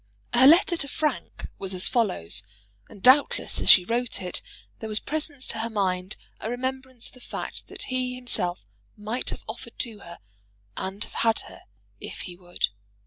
Her letter to Frank was as follows, and, doubtless, as she wrote it, there was present to her mind a remembrance of the fact that he himself might have offered to her, and have had her if he would.